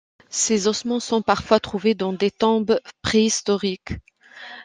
Ses ossements sont parfois trouvés dans des tombes préhistoriques.